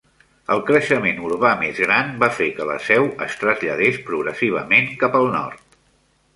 El creixement urbà més gran va fer que la seu es traslladés progressivament cap al nord.